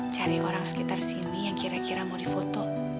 cari orang sekitar sini yang kira kira mau difoto